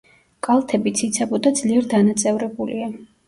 კალთები ციცაბო და ძლიერ დანაწევრებულია.